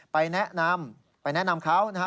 ไปแนะนำเขานะครับ